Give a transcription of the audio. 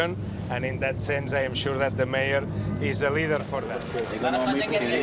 dan dalam hal itu saya yakin bahwa pemerintah itu adalah pemerintah untuk itu